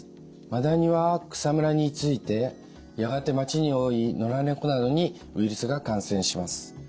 マダニは草むらに居ついてやがて町に多い野良猫などにウイルスが感染します。